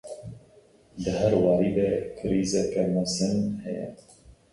Di her warî de krîzeke mezin heye.